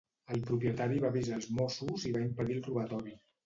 El propietari va avisar els mossos i va impedir el robatori.